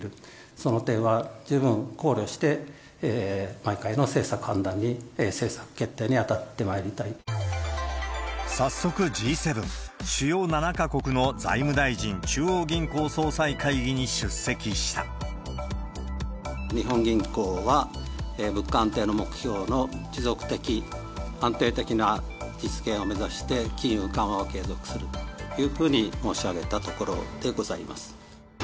その点は十分考慮して、毎回の政策判断に、早速、Ｇ７・主要７か国の財務大臣・中央銀行総裁会議に日本銀行は、物価安定の目標の持続的、安定的な実現を目指して、金融緩和を継続するというふうに申し上げたところでございます。